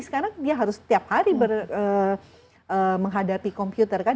sekarang dia harus setiap hari menghadapi komputer kan